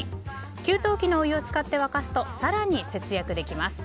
給湯器のお湯を使って沸かすと更に節約できます。